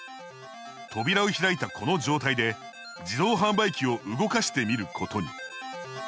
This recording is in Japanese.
扉を開いたこの状態で自動販売機を動かしてみることに。